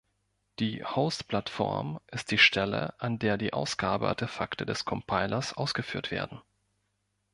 Die „Host-Plattform“ ist die Stelle, an der die Ausgabe-Artefakte des Compilers ausgeführt werden.